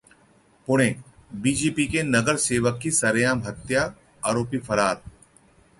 Pune BJP के नगर सेवक की सरेआम हत्या, आरोपी फरार